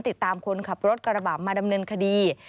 ติดตามคนขับรถกระบะมาดำเนินคดี